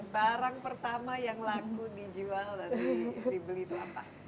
barang pertama yang laku dijual dan dibeli itu apa